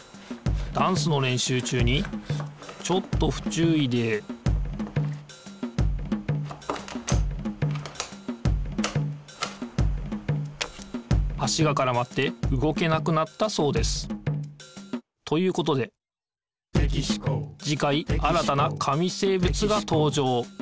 ダンスのれんしゅう中にちょっとふちゅういで足がからまって動けなくなったそうです。ということでじかい新たな紙生物がとうじょう。